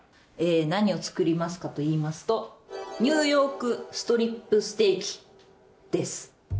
何を作りますかといいますとニューヨークストリップステーキです。